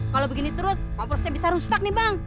kalau begini terus komprosnya bisa rusak nih bang